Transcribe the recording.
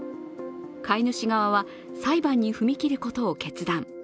飼い主側は裁判に踏み切ることを決断。